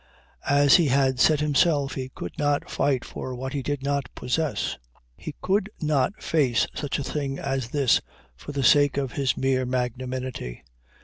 As he had said himself he could not fight for what he did not possess; he could not face such a thing as this for the sake of his mere magnanimity.